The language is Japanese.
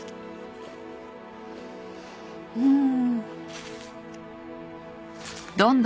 うん。